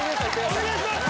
お願いします